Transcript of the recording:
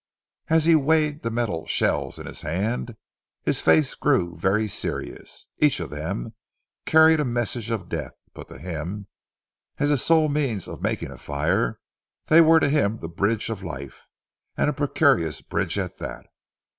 As he weighed the metal shells in his hand, his face grew very serious. Each of them carried a message of death, but to him, as his sole means of making a fire, they were to him the bridge of life, and a precarious bridge at that.